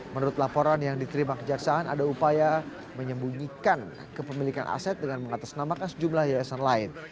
menurut laporan yang diterima kejaksaan ada upaya menyembunyikan kepemilikan aset dengan mengatasnamakan sejumlah yayasan lain